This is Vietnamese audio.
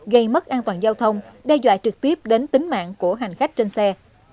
gây mất an toàn giao thông đe dọa trực tiếp đến tính mạng của hành khách trên xe